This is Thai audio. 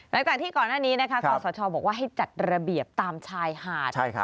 หลังจากที่ก่อนหน้านี้นะคะคอสชบอกว่าให้จัดระเบียบตามชายหาด